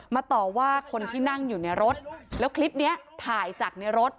ต่อว่าคนที่นั่งอยู่ในรถแล้วคลิปนี้ถ่ายจากในรถ